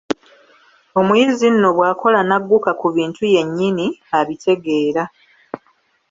Omuyizi nno bw'akola n'agguka ku bintu yennyini, abitegera.